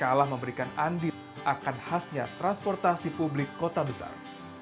kalah memberikan andip akan khasnya transportasi publik kota besar